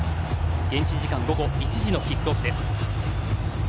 現地時間午後１時のキックオフです。